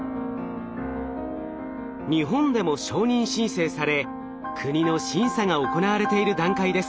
日本でも承認申請され国の審査が行われている段階です。